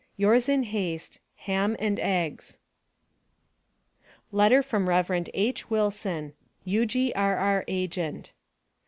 Yours in haste, HAM & EGGS. LETTER FROM REV H. WILSON (U.G.R.R. AG'T).